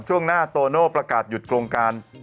ช่วงหน้าโตโน่ประกาศหยุดโครงการ